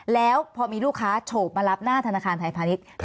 แล้วพอมีลูกค้าโฉบมารับหน้าธนาคารไทยพาณิชย์